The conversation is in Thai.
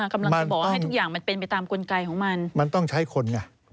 กำลังจะบอกให้ทุกอย่างมันเป็นไปตามกลไกของมัน